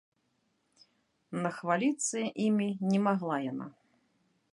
Нахваліцца імі не магла яна.